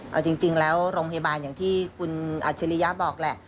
เอาจริงแล้วโรงพยาบาลอย่างที่คุณอัจฉริยะบอกแหละ